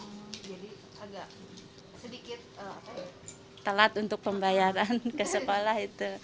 jadi agak sedikit telat untuk pembayaran ke sekolah itu